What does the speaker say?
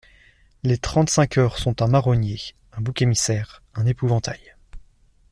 Les trente-cinq heures sont un marronnier, un bouc émissaire, un épouvantail.